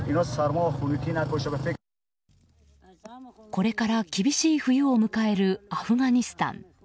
これから厳しい冬を迎えるアフガニスタン。